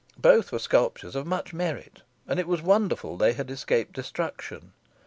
Both were sculptures of much merit, and it was wonderful they had escaped destruction.